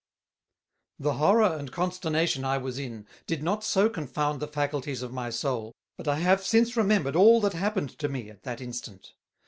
The Horror and Consternation I was in did not so confound the faculties of my Soul, but I have since remembered all that happened to me at that instant.